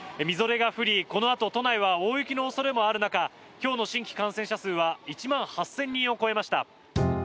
みぞれが降り、このあと都内は大雪の恐れもある中今日の新規感染者数は１万８０００人を超えました。